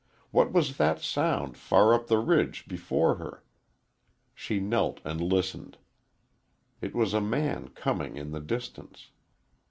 What was that sound far up the ridge before her? She knelt and listened. It was a man coming in the distance.